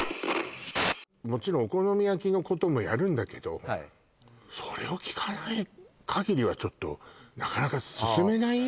もちろんお好み焼きのこともやるんだけどそれを聞かないかぎりはちょっとなかなか進めないよ